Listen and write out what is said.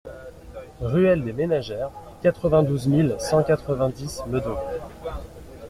Ruelle des Ménagères, quatre-vingt-douze mille cent quatre-vingt-dix Meudon